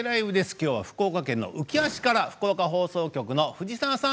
きょうは福岡県のうきは市から福岡放送局の藤澤さん